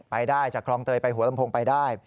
ไปได้จากคลองเตยไปหัวลำโพงไปได้